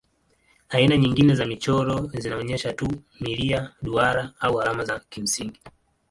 Aina nyingine za michoro zinaonyesha tu milia, duara au alama za kimsingi.